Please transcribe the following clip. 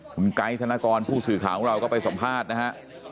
คุณไกด์ธนกรผู้สื่อข่าวของเราก็ไปสัมภาษณ์นะฮะ